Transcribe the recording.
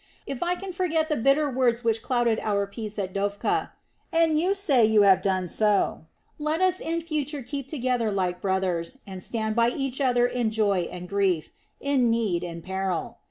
If you can forget the bitter words which clouded our peace at Dophkah and you say you have done so let us in future keep together like brothers and stand by each other in joy and grief, in need and peril.